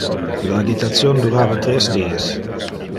Le agitation durava tres dies.